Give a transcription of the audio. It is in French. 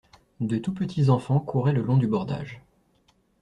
De tous petits enfants couraient le long du bordage.